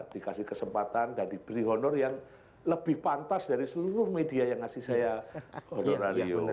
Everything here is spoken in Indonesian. dikasih kesempatan dan diberi honor yang lebih pantas dari seluruh media yang ngasih saya honor yang honor